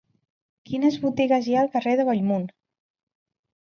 Quines botigues hi ha al carrer de Bellmunt?